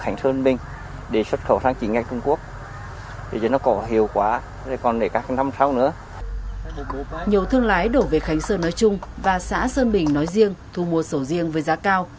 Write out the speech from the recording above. nhiều thương lái đổ về khánh sơn nói chung và xã sơn bình nói riêng thu mua sầu riêng với giá cao